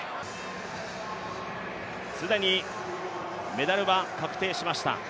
既にメダルは確定しました。